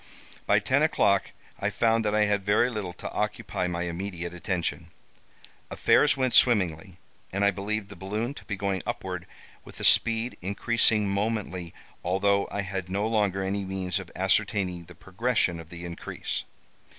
"By ten o'clock I found that I had very little to occupy my immediate attention. Affairs went swimmingly, and I believed the balloon to be going upward with a speed increasing momently although I had no longer any means of ascertaining the progression of the increase.